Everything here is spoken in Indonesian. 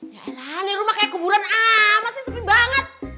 ya allah nih rumah kayak kuburan amat sih sepi banget